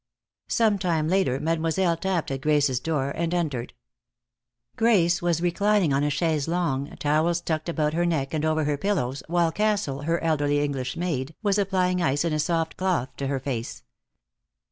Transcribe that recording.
Some time later Mademoiselle tapped at Grace's door, and entered. Grace was reclining on a chaise longue, towels tucked about her neck and over her pillows, while Castle, her elderly English maid, was applying ice in a soft cloth to her face.